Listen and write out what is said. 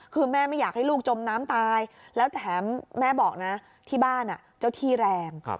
คือแม่ไม่อยากให้ลูกจมน้ำตายแล้วแถมแม่บอกนะที่บ้านเจ้าที่แรง